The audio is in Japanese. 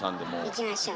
いきましょう。